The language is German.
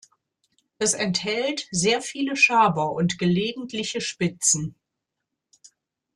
Es enthält sehr viele Schaber und gelegentliche Spitzen.